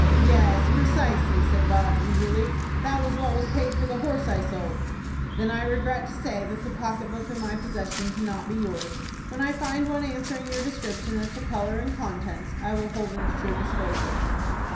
"Yes, precisely," said Bob, eagerly. "That was what was paid for the horse I sold." "Then I regret to say that the pocket book in my possession cannot be yours. When I find one answering your description as to color and contents, I will hold it at your disposal."